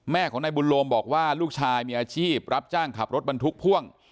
แม่ของนายบุญโลมบอกว่าลูกชายมีอาชีพรับจ้างขับรถบรรทุกพ่วง